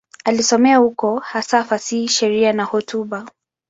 Alisomea huko, hasa fasihi, sheria na hotuba.